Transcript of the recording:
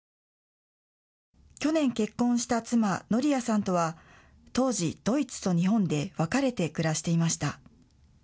去年、結婚した妻、ノリアさんとは当時、ドイツと日本で別れて暮らしていました。